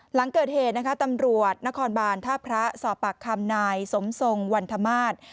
หลังเกิดเหตุนะคะตำรวจนครบานท่าพระสอบปากคำนายสมทรงวันธมาศ